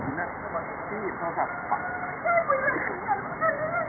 ขอบคุณที่ทำดีดีกับแม่ของฉันหน่อยครับ